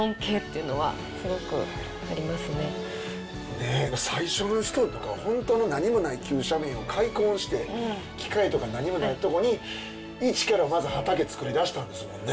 ねっ最初の人とか本当の何もない急斜面を開墾して機械とか何もないところに一からまず畑つくりだしたんですもんね。